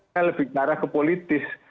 saya lebih ke arah ke politis